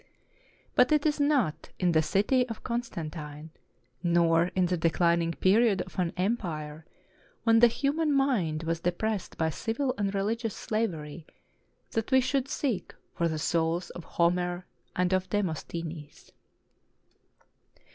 But it is not in the city of Constantine, nor in the declin ing period of an empire, when the human mind was de pressed by civil and religious slavery, that we should seek for the souls of Homer and of Demosthenes.